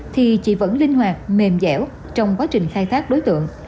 thì chị vẫn linh hoạt mềm dẻo trong quá trình khai thác đối tượng